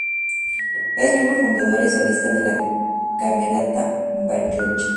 Es miembro fundadora y solista de la Camerata Bariloche.